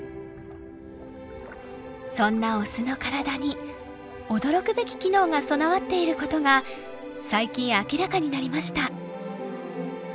そんなオスの体に驚くべき機能が備わっていることが最近明らかになりました。